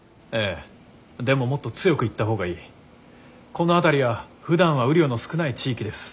この辺りはふだんは雨量の少ない地域です。